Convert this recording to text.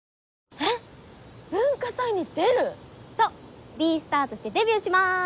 えっ文化祭に出る⁉そう「Ｂｅ：ＳＴＡＲ」としてデビューします。